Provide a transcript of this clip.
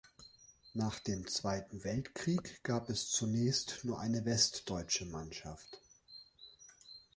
Nach dem Zweiten Weltkrieg gab es zunächst nur eine westdeutsche Mannschaft.